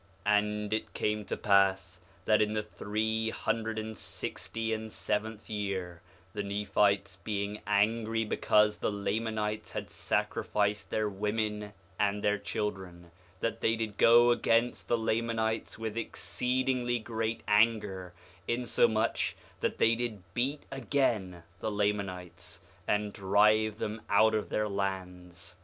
4:15 And it came to pass that in the three hundred and sixty and seventh year, the Nephites being angry because the Lamanites had sacrificed their women and their children, that they did go against the Lamanites with exceedingly great anger, insomuch that they did beat again the Lamanites, and drive them out of their lands.